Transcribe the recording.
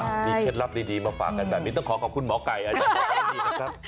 มีเคล็ดลับดีมาฝากกันต้องขอขอบคุณหมอไก่อันนี้